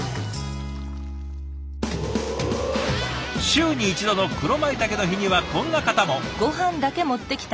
週に１度の黒舞茸の日にはこんな方も。